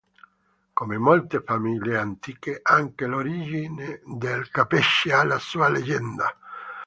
Come molte famiglie antiche, anche l'origine dei Capece ha la sua leggenda.